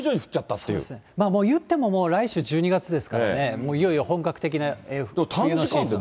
そうですね、言ってももう、来週１２月ですからね、もういよいよ本格的な冬のシーズン。